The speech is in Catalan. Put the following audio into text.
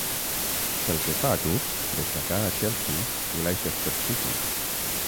Pel que fa a clubs, destacà a Chelsea i Leicester City.